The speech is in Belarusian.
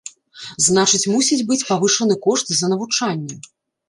Значыць мусіць быць павышаны кошт за навучанне.